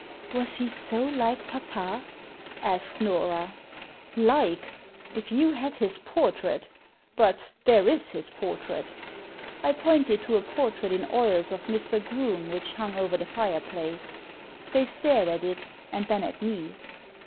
" Was he so like papa ?" asked Nora. " Like ! If you had his portrait But there is his portrait" I pointed to a portrait in oils of Mr. Groome which hung over the fireplace. They stared at it and then at me.